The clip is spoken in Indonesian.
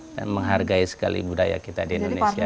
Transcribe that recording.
dan menghargai sekali budaya kita di indonesia